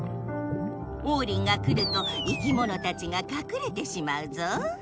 オウリンが来ると生きものたちがかくれてしまうぞ。